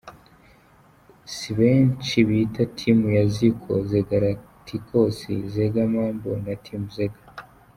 C, benshi bita ‘Team Ya Ziko’, ‘Zegalacticos’, ‘Zega Mambo’ na ‘Team Zega.